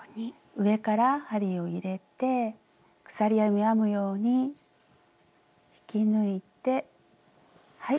上から針を入れて鎖編みを編むように引き抜いてはい。